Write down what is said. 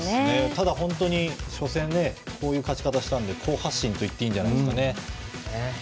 ただ、初戦こういう勝ち方をしたので好発進といっていいんじゃないでしょうか。